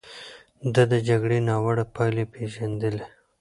ده د جګړې ناوړه پايلې پېژندلې.